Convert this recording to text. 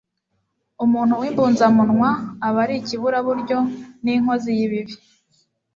umuntu w'imbunzamunwa aba ari ikiburaburyo n'inkozi y'ibibi